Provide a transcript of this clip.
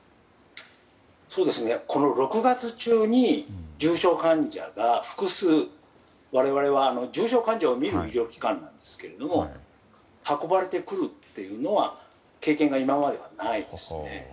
この６月中に重症患者が複数我々は重症患者を診る医療機関なんですけど運ばれてくるというのは経験が今まではないですね。